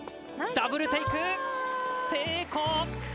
ダブルテイク、成功！